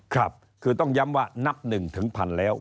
ครับคือต้องย้ำว่านับหนึ่งถึงผ่านแล้ว